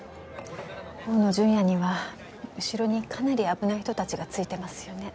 河野純也には後ろにかなり危ない人たちがついてますよね。